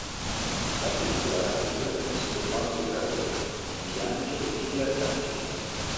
La cupola raffigura Cristo Pantocratore, gli angeli e gli arcangeli.